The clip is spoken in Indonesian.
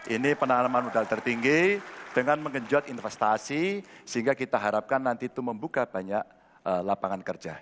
ini penanaman modal tertinggi dengan mengenjot investasi sehingga kita harapkan nanti itu membuka banyak lapangan kerja